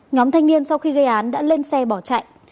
nhóm thanh niên sau khi gây án đã lên xe bỏ chạy